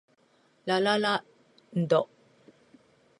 ラ・ラ・ランド